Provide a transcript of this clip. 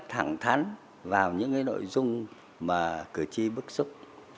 thẳng thắn vào những nội dung mà cử tri bức xúc